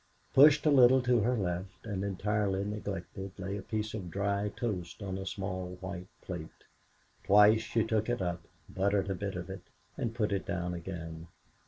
Pushed a little to her left and entirely neglected, lay a piece of dry toast on a small white plate. Twice she took it up, buttered a bit of it, and put it down again.